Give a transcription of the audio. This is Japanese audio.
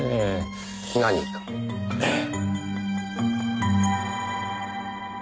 ええ。